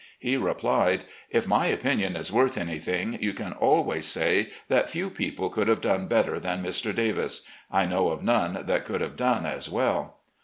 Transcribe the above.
He replied :" If my opinion is worth anything, you can always say that few people could have done better than Mr. Davis. I knew of none that could have done as well."